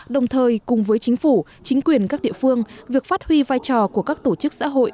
đồng thời cùng với chính phủ chính quyền các địa phương việc phát huy vai trò của các tổ chức xã hội